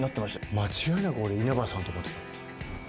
間違いなく俺、稲葉さんだと思ってたの。